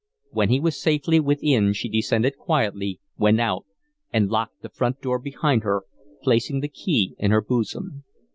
When he was safely within she descended quietly, went out, and locked the front door behind her, placing the key in her bosom.